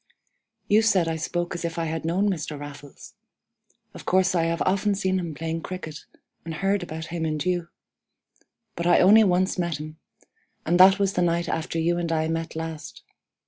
"You said I spoke as if I had known Mr. Raffles. Of course I have often seen him playing cricket, and heard about him and you. But I only once met him, and that was the night after you and I met last.